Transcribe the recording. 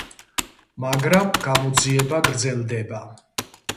მაგრამ გამოძიება გრძელდება.